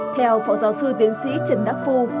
theo phó giáo sư tiến sĩ trần đắc phu